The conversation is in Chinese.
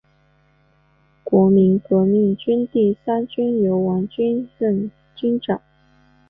国民革命军第三军由王均任军长。